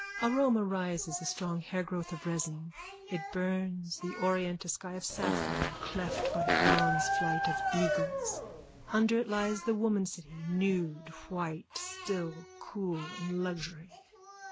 Aroma rises, a strong hairgrowth of resin. It burns, the orient, a sky of sapphire, cleft by the bronze flight of eagles. Under it lies the womancity, nude, white, still, cool, in luxury.